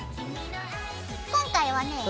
今回はね